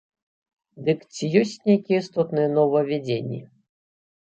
Дык ці ёсць нейкія істотныя новаўвядзенні?